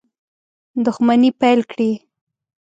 دښمني پیل کړي.